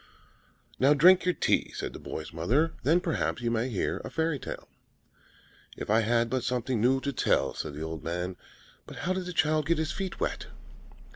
"Now drink your tea," said the boy's mother; "then, perhaps, you may hear a fairy tale." "If I had but something new to tell," said the old man. "But how did the child get his feet wet?"